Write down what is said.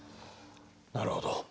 なるほど。